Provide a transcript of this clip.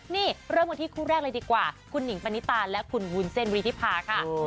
นี่เริ่มกันที่คู่แรกเลยดีกว่าคุณหนิงปณิตาและคุณวุ้นเส้นวิธิภาค่ะ